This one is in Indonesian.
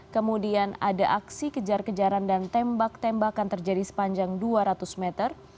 kemudian ada aksi kejar kejaran dan tembak tembakan terjadi sepanjang dua ratus meter